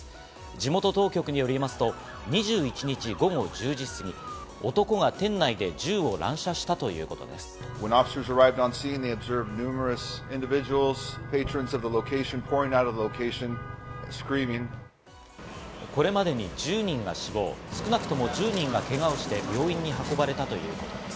地元当局によりますと、２１日午後１０時過ぎ、男が店内で銃を乱射したということです。